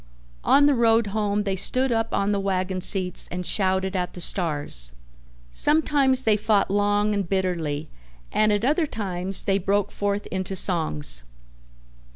On the road home they stood up on the wagon seats and shouted at the stars. Sometimes they fought long and bitterly and at other times they broke forth into songs.